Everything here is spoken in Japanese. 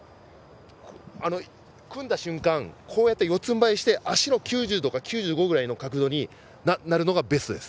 組んだ瞬間、四つんばいにして足を９０度か９５度の角度になるのがベストです。